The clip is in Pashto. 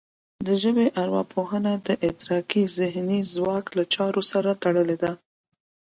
د ژبې ارواپوهنه د ادراکي ذهني ځواک له چارو سره تړلې ده